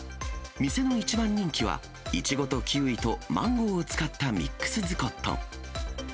店の一番人気は、イチゴとキウイとマンゴーを使ったミックスズコット。